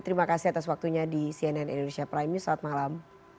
terima kasih atas waktunya di cnn indonesia prime news selamat malam